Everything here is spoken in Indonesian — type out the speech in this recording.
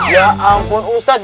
ya ampun ustadz